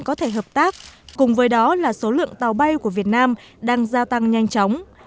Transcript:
có thể hợp tác cùng với đó là số lượng tàu bay của việt nam đang gia tăng nhanh chóng